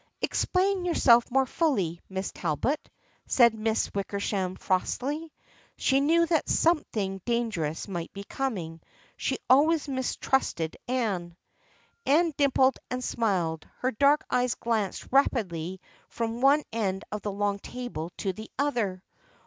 "Explain yourself more fully, Miss Talbot," said Miss Wickersham frostily. She knew that something dangerous might be coming. She al ways mistrusted Anne. THE FRIENDSHIP OF ANNE 47 Anne dimpled and smiled. Her dark eyes glanced rapidly from one end of the long table to the other.